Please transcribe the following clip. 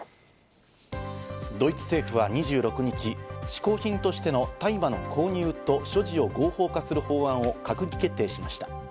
ドイツ政府は２６日、嗜好品としての大麻の購入と所持を合法化する法案を閣議決定しました。